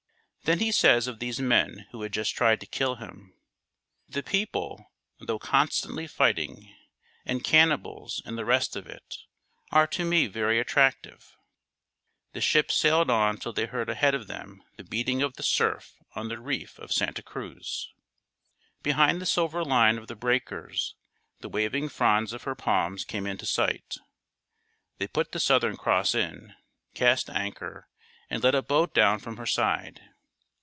Then he says of these men who had just tried to kill him: "The people, though constantly fighting, and cannibals and the rest of it, are to me very attractive." The ship sailed on till they heard ahead of them the beating of the surf on the reef of Santa Cruz. Behind the silver line of the breakers the waving fronds of her palms came into sight. They put The Southern Cross in, cast anchor, and let a boat down from her side.